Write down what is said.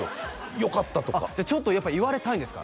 「よかった」とかやっぱ言われたいんですか？